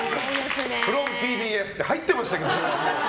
ＦｒｏｍＴＢＳって入ってましたけど。